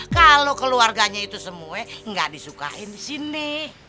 kalau keluarganya itu semua nggak disukain di sini